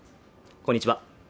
こんにちは